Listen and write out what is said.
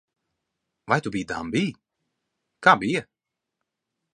Vai tu biji dambī? Kā bija?